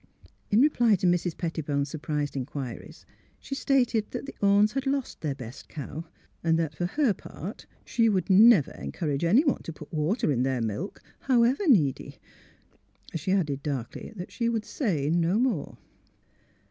In reply to Mrs. Pettibone's surprised inquiries she stated that the Ornes had lost their best cow; and that, for her part, she would never encourage anyone to put water in their milk, however needy. She added, darkly, that she would " say no more.